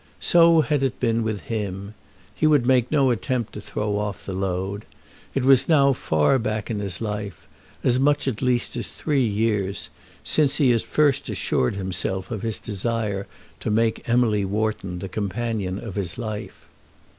So had it been with him. He would make no attempt to throw off the load. It was now far back in his life, as much at least as three years, since he had first assured himself of his desire to make Emily Wharton the companion of his life.